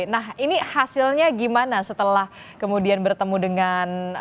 nah ini hasilnya gimana setelah kemudian bertemu dengan